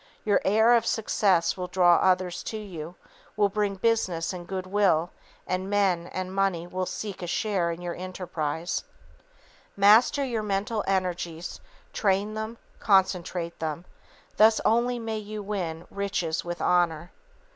Your air of success will draw others to you, will bring business and goodwill, and men and money will seek a share in your enterprises. Master your mental energies, train them, concentrate them, thus only may you win riches with honor.